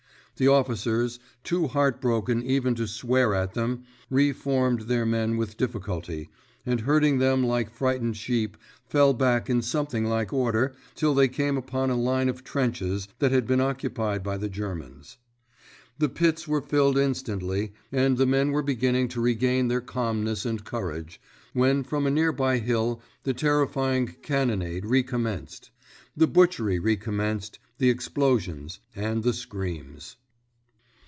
The officers, too heartbroken even to swear at them, reformed their men with difficulty, and, herding them like frightened sheep, fell back in something like order till they came upon a line of trenches that had been occupied by the Germans. The pits were filled instantly, and the men were beginning to regain their calmness and courage, when from a near by hill the terrifying cannonade recommenced. The butchery recommenced—the explosions, and the screams.